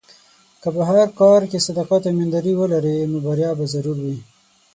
که په هر کار کې صداقت او ایمانداري ولرې، نو بریا به ضرور وي.